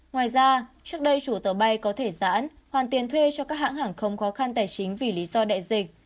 ngoài ra trước đây chủ tàu bay có thể giãn hoàn tiền thuê cho các hãng hàng không khó khăn tài chính vì lý do đại dịch